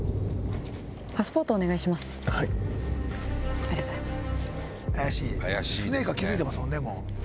ありがとうございます。